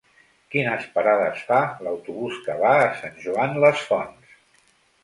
Quines parades fa l'autobús que va a Sant Joan les Fonts?